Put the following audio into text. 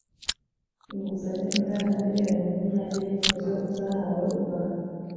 inguzanyo ingana na miliyoni makumyabiri nizo zahawe u rwanda